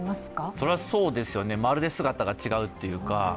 それはそうですよね、まるで姿が違うというか。